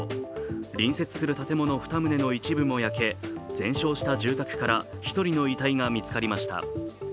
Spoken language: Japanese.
隣接する建物２棟の一部も焼け、全焼した住宅から１人の遺体が見つかりました。